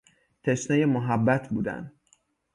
تشنهی محبت بودن